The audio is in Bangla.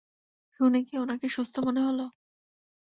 শুনে কি ওনাকে সুস্থ মনে হল?